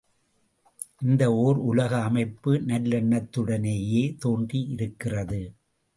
இந்த ஓர் உலக அமைப்பு நல்லெண்ணத்துடனேயே தோன்றியிருக்கிறது.